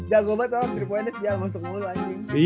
jangan gobek dong tiga poinnya sih jangan masuk mulu anjing